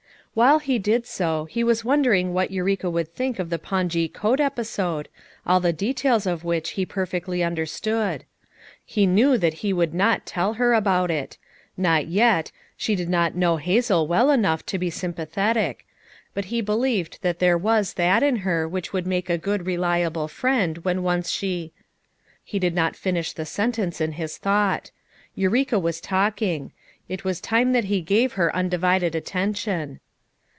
While he did so, he was wondering what Eureka would think of the pongee coat episode, all the details of which he perfectly under stood. He knew that he would not tell her about it ; not yet — she did not know Hazel "well enough to be sympathetic; but he believed that there was that in her which would make a good reliable friend when once she — He did not finish the sentence in his thought. Eureka was talking; it was time that he gave her undivided attention.